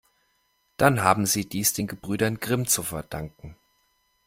Dann haben Sie dies den Gebrüdern Grimm zu verdanken.